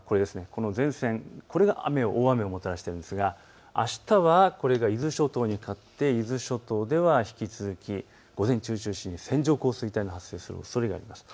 この前線、これが大雨をもたらしているんですがあしたはこれが伊豆諸島にかかって、伊豆諸島では引き続き午前中を中心に線状降水帯が発生するおそれがあります。